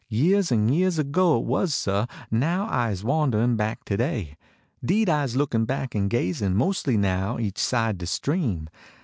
Years en years ago it was, sah ; Now Ise wanderin back todav. Deed Ise lookin back en ga/.in Mos ly now each side de stream.